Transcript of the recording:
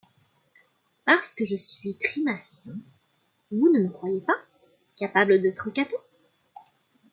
Parce que je suis Trimalcion, vous ne me croyez pas capable d’être Caton!